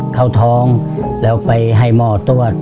เข้าท้องแล้วไปให้หมอตรวจ